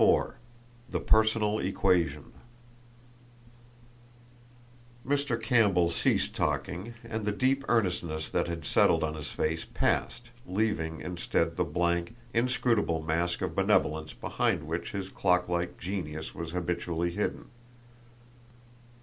XXIV THE PERSONAL EQUATION Mr. Campbell ceased talking and the deep earnestness that had settled on his face passed, leaving instead the blank, inscrutable mask of benevolence behind which his clock like genius was habitually hidden.